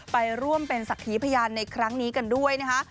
ไปร่วมเป็นสักขีพยานในครั้งนี้กันด้วยนะคะ